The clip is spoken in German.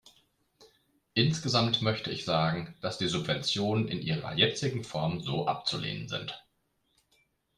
Insgesamt möchte ich sagen, dass die Subventionen in ihrer jetzigen Form so abzulehnen sind.